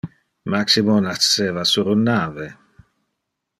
Maximo nasceva sur un nave.